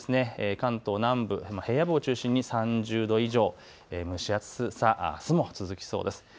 関東南部、平野部を中心に３０度以上、蒸し暑さはあすも続きそうです。